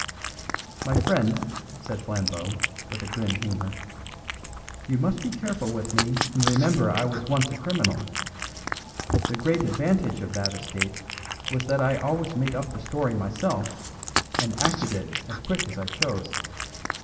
"My friend," said Flambeau, with a grim humour, "you must be careful with me and remember I was once a criminal. The great advantage of that estate was that I always made up the story myself, and acted it as quick as I chose.